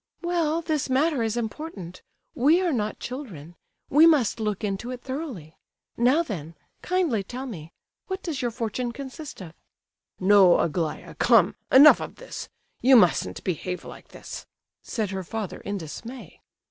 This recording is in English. "Well, this matter is important. We are not children—we must look into it thoroughly. Now then, kindly tell me—what does your fortune consist of?" "No—Aglaya—come, enough of this, you mustn't behave like this," said her father, in dismay.